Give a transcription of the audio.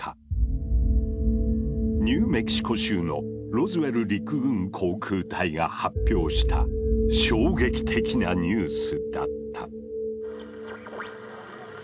ニューメキシコ州のロズウェル陸軍航空隊が発表した衝撃的なニュースだった。